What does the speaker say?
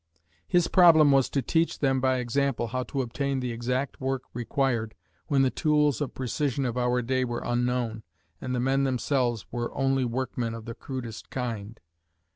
His problem was to teach them by example how to obtain the exact work required when the tools of precision of our day were unknown and the men themselves were only workmen of the crudest kind.